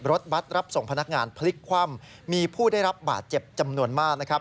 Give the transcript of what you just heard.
รถบัตรรับส่งพนักงานพลิกคว่ำมีผู้ได้รับบาดเจ็บจำนวนมากนะครับ